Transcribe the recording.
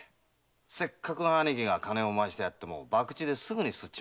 せっかく姉貴が金を回してやっても博打ですぐにスッちまう。